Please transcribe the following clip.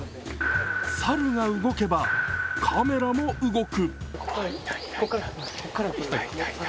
猿が動けば、カメラも動く。